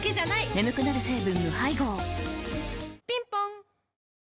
眠くなる成分無配合ぴんぽん